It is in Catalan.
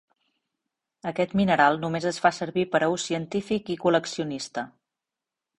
Aquest mineral només es fa servir per a ús científic i col·leccionista.